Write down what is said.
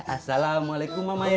assalamualaikum mama ya